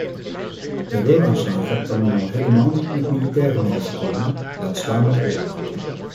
Terreuraanslagen kan men al helemaal niet met militaire middelen voorkomen, laat staan met oorlog.